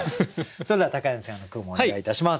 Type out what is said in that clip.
それでは柳さんの句もお願いいたします。